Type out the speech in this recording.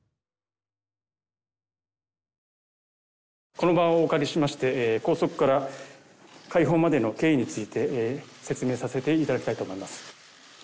この場をお借りしまして拘束から解放までの経緯について説明させて頂きたいと思います。